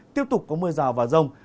tiếp tục có mưa rào và rồng